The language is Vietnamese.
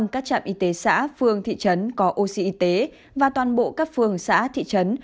một trăm linh các trạm y tế xã phương thị trấn có oxy y tế và toàn bộ các phương xã thị trấn